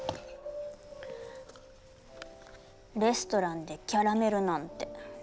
レストランでキャラメルなんて。